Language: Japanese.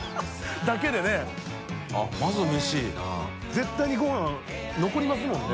絶対にごはん残りますもんね。